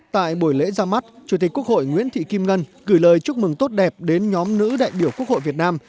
tại buổi lễ ra mắt chủ tịch quốc hội nguyễn thị kim ngân gửi lời chúc mừng tốt đẹp đến nhóm nữ đại biểu quốc hội việt nam